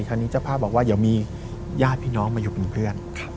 คราวนี้เจ้าภาพบอกว่าเดี๋ยวมีญาติพี่น้องมาอยู่เป็นเพื่อน